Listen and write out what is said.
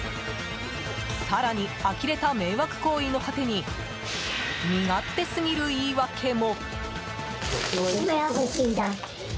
更にあきれた迷惑行為の果てに身勝手すぎる言い訳も。